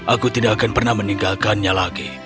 aku tidak akan pernah meninggalkannya lagi